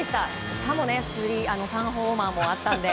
しかも３ホーマーもあったので。